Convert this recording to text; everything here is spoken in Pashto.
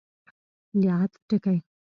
د عطف ټکی.